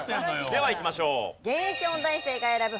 ではいきましょう。